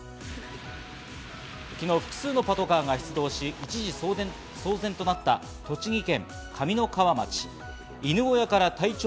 昨日、複数のパトカーが出動し、一時騒然となった栃木県上三川町。